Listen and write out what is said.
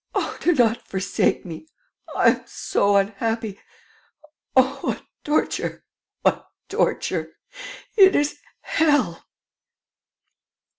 ... Oh, do not forsake me. ... I am so unhappy! ... Oh, what torture ... what torture! ... It is hell!